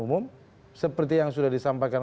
umum seperti yang sudah disampaikan